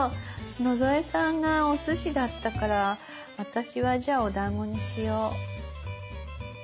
野添さんがおすしだったから私はじゃあおだんごにしよう。